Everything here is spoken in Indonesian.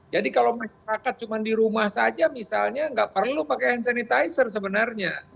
jadi kalau masyarakat cuma di rumah saja misalnya nggak perlu pakai hand sanitizer sebenarnya